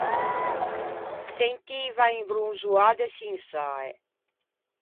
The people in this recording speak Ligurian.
Sentivan un bronzoâ de çinsae.